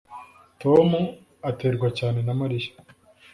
Tom aterwa cyane na Mariya